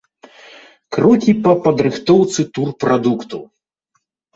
Крокі па падрыхтоўцы турпрадукту.